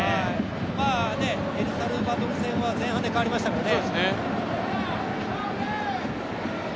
エルサルバドル戦は前半で代わりましたからね。